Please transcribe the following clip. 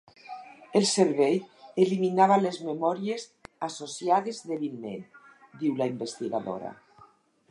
El cervell eliminava les memòries associades dèbilment, diu la investigadora.